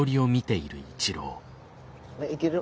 いける？